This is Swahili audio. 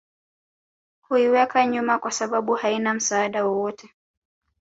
huiweka nyuma kwasababu haina msaada wowote